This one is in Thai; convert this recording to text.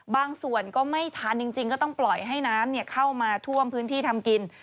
บางส่วนก็ไม่ทันจริงก็ต้องปล่อยให้น้ำเข้ามาท่วมพื้นที่ทำกิน